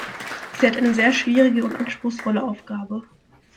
Sie hat eine sehr schwierige und anspruchsvolle Aufgabe.